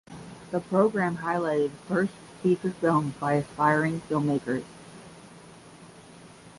The programme highlighted first feature films by aspiring filmmakers.